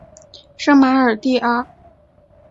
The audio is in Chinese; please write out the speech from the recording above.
圣马尔蒂阿。